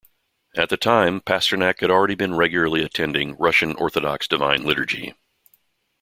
At the time, Pasternak had also been regularly attending Russian Orthodox Divine Liturgy.